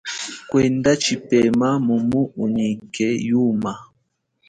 Kwenda tshipema mumu unyike yuma.